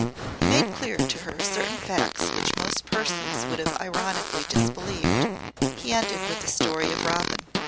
He made clear to her certain facts which most persons would have ironically disbelieved. He ended with the story of Robin.